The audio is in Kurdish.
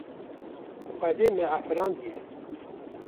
Xwedê me afirandiye.